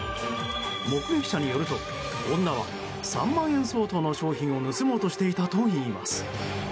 目撃者によると女は３万円相当の商品を盗もうとしていたといいます。